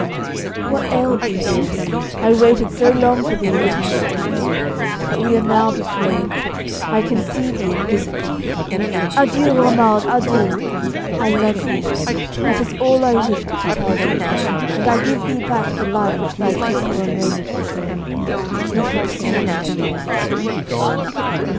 'What ailed thee, dearest? I waited so long for thee that I am dead; but we are now betrothed: I can see thee and visit thee. Adieu, Romuald, adieu! I love thee. That is all I wished to tell thee, and I give thee back the life which thy kiss for a moment recalled. We shall soon meet again.